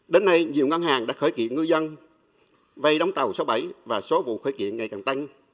đến nay nhiều ngân hàng đã khởi kiện ngư dân vay đóng tàu sáu mươi bảy và số vụ khởi kiện ngày càng tăng